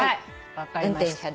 分かりました。